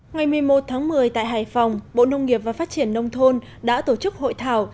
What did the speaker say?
ngày một mươi một tháng một mươi tại hải phòng bộ nông nghiệp và phát triển nông thôn đã tổ chức hội thảo